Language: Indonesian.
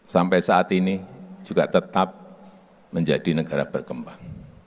sampai saat ini juga tetap menjadi negara berkembang